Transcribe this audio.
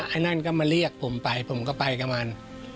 ไอ้นั่นก็มาเรียกผมไปผมก็ไปกับมัน